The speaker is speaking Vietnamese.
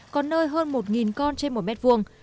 còn nơi hơn một con trên một mét vuông